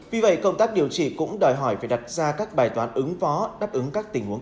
vì vậy công tác điều trị cũng đòi hỏi phải đặt ra các bài toán ứng phó đáp ứng các tình huống